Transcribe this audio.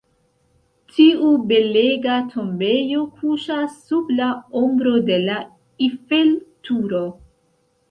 Tiu belega tombejo kuŝas sub la ombro de la Eiffel-Turo.